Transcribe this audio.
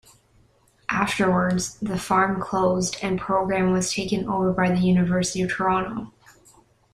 Afterwards, the farm closed and program was taken over by the University of Toronto.